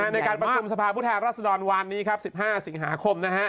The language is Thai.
ในการประชุมสภาพุทธแห่งรัฐสดรวันนี้๑๕สิงหาคม